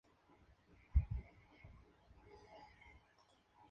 El casino es propiedad de los jefes de Adamo en La Costa Este.